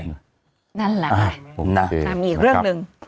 นั่นแหละอีกเรื่องหนึ่ง